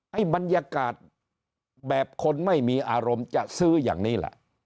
บรรยากาศแบบคนไม่มีอารมณ์จะซื้ออย่างนี้ล่ะ